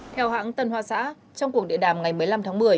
theo hãng tân hoa xã trong cuộc địa đàm ngày một mươi năm tháng một mươi